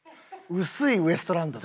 薄いウエストランドだ。